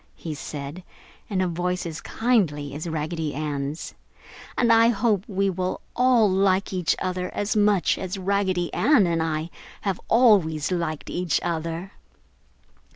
he said, in a voice as kindly as Raggedy Ann's, "and I hope we will all like each other as much as Raggedy Ann and I have always liked each other!"